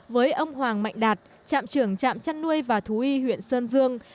với ông hoàng mạnh đạt trạm trưởng trạm chăn nuôi và thú y huyện sơn dương